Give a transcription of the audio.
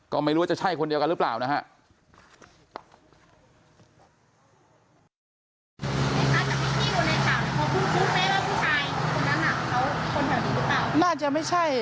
ก็ไม่รู้ว่าจะใช่คนเดียวกันหรือเปล่านะฮะ